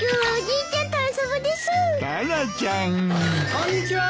・・こんにちは。